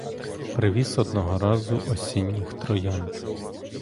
Привіз одного разу осінніх троянд.